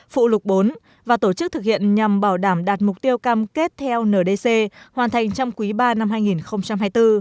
phụ lục bốn và tổ chức thực hiện nhằm bảo đảm đạt mục tiêu cam kết theo ndc hoàn thành trong quý ba năm hai nghìn hai mươi bốn